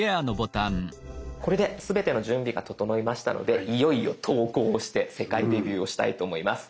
これですべての準備が整いましたのでいよいよ投稿をして世界デビューをしたいと思います。